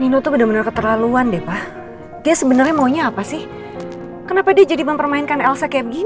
nino tuh bener bener keterlaluan deh pak dia sebenarnya maunya apa sih kenapa dia jadi mempermainkan elsa kemi